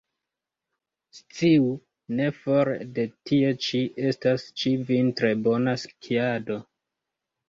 Sciu, ne fore de tie ĉi, estas ĉi-vintre bona skiado.